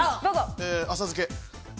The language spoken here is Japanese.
浅漬け。